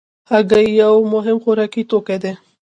هګۍ یو مهم خوراکي توکی دی.